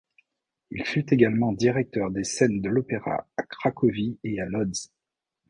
Il fut également directeur des scènes de l'opéra à Cracovie et à Łódź.